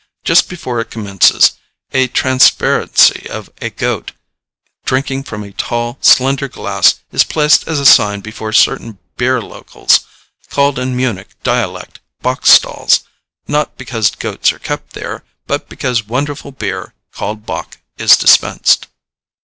Just before it commences a transparency of a goat, drinking from a tall, slender glass, is placed as a sign before certain beer locals, called in Munich dialect bock stalls, not because goats are kept there, but because wonderful beer, called bock, is dispensed.